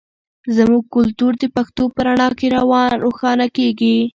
زموږ کلتور د پښتو په رڼا کې روښانه کیږي.